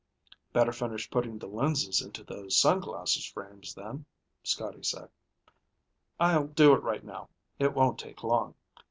"Better finish putting the lenses into those sunglasses frames then," Scotty said. "I'll do it right now. It won't take long."